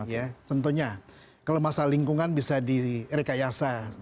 ya tentunya kalau masalah lingkungan bisa direkayasa